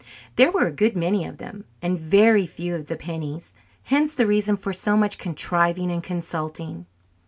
There were a good many of them, and very few of the pennies; hence the reason for so much contriving and consulting.